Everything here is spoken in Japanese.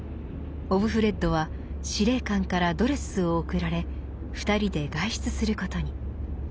オブフレッドは司令官からドレスを贈られ２人で外出することに。